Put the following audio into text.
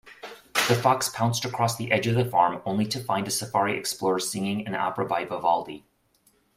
The fox pounced across the edge of the farm, only to find a safari explorer singing an opera by Vivaldi.